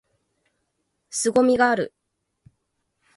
凄みがある！！！！